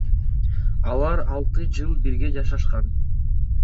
Алар алты жыл бирге жашашкан.